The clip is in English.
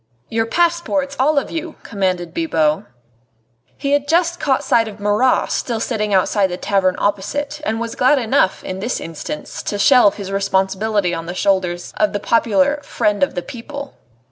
"Your passports, all of you," commanded Bibot. He had just caught sight of Marat still sitting outside the tavern opposite, and was glad enough, in this instance, to shelve his responsibility on the shoulders of the popular "Friend of the People."